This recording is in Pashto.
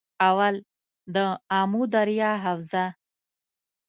اول- دآمو دریا حوزه